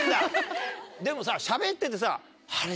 でもさしゃべっててさあれ？